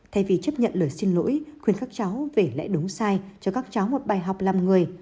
thay vì chấp nhận lời xin lỗi khuyên khích cháu về lẽ đúng sai cho các cháu một bài học làm người